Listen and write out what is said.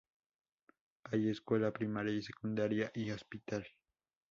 Hay escuela primaria y secundaria y Hospital.